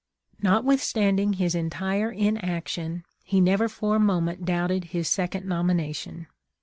" Notwithstanding his entire inaction, he never for a moment doubted his second nomination.